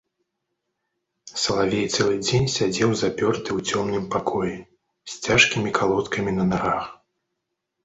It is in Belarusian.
Салавей цэлы дзень сядзеў запёрты ў цёмным пакоі, з цяжкімі калодкамі на нагах.